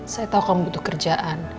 saya tahu kamu butuh kerjaan